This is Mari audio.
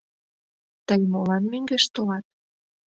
Тый молан мӧҥгеш толат?